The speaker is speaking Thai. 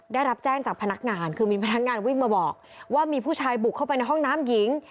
ได้รับแจ้งจากพนักงานคือมีพนักงานวิ่งมาบอกว่ามีผู้ชายบุกเข้าไปในห้องน้ำหญิง